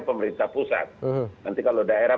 pemerintah pusat nanti kalau daerah